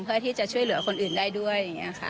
เพื่อที่จะช่วยเหลือคนอื่นได้ด้วย